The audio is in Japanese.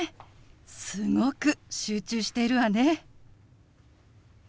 すごく集中しているわね。